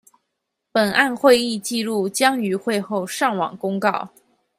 本案會議紀錄將於會後上網公告